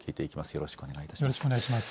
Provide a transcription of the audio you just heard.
よろしくお願いします。